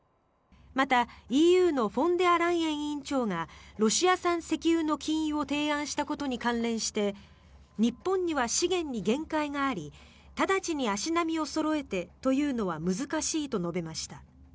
また、ＥＵのフォンデアライエン委員長がロシア産石油の禁輸を提案したことに関連して日本には資源に限界があり直ちに足並みをそろえてというのは難しいと述べました。